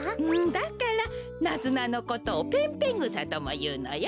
だからナズナのことをペンペングサともいうのよ。